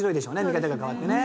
見方が変わってね。